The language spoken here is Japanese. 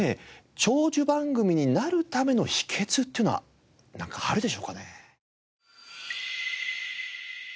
長寿番組になるための秘訣っていうのはなんかあるでしょうかね？